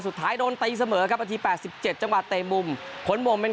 สุดท้ายโดนตีเสมอครับนาทีแปดสิบเจ็ดจังหวะเตมุมผลมุมเป็น